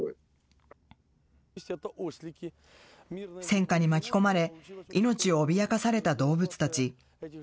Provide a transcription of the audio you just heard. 戦禍に巻き込まれ、命を脅かされた動物たち。